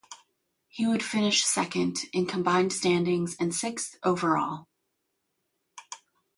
He would finish second in the combined standings and sixth in the overall.